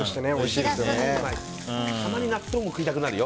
たまに納豆も食いたくなるよ。